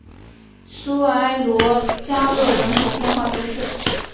苏埃罗加勒人口变化图示